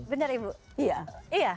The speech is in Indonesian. bener ibu iya